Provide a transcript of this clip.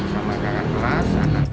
sama kakak kelas